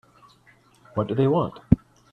What do they want?